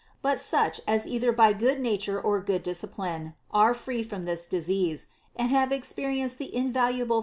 But such as either by good nature or good discipline are free from this disease, and have experienced the invaluable